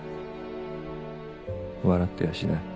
笑ってやしない。